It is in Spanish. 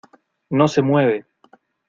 no se mueve.